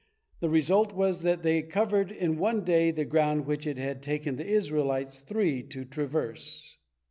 The result was that they covered in one day the ground which it had taken the Israelites three to traverse.